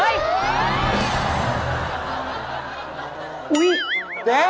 รายการต่อไปนี้เป็นรายการทั่วไปสามารถรับชมได้ทุกวัย